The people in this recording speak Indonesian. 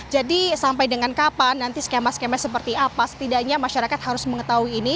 jadi sampai dengan kapan nanti skema skema seperti apa setidaknya masyarakat harus mengetahui ini